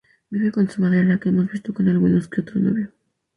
Vive con su madre, a la que hemos visto con algún que otro novio.